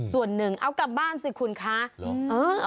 ส่วนหนึ่งเอากลับบ้านสิคุณคะ